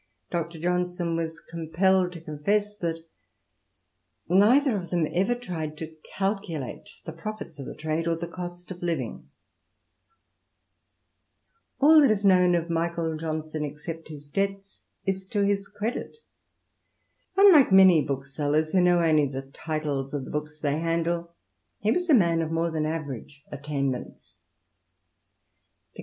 Dr. Johnson was compelled to confesa that " neither of them ever tried to calculate the profits of trade or the cost of living.'* All that is known of Michael Johnson — except his debts — is to his credit. Unlike man booksellers who know only the titles of the books the handle, he was a man of more than average attainmentst— INTRODUCTION.